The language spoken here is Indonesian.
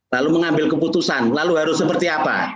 lalu mengambil keputusan lalu harus seperti apa